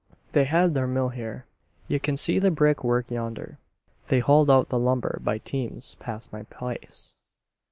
"They had their mill here, ye kin see the brick work yonder. They hauled out the lumber by teams past my place.